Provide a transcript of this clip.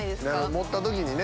持った時にね